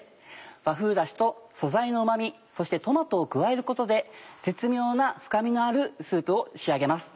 和風ダシと素材のうま味そしてトマトを加えることで絶妙な深みのあるスープを仕上げます。